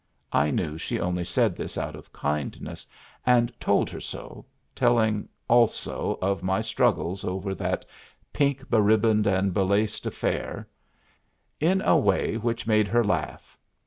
I knew she only said this out of kindness, and told her so, telling also of my struggles over that pink beribboned and belaced affair, in a way which made her laugh.